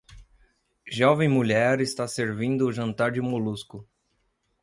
Jovem mulher está servindo o jantar de molusco